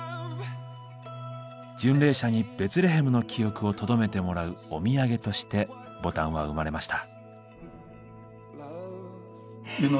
巡礼者にベツレヘムの記憶をとどめてもらうお土産としてボタンは生まれました。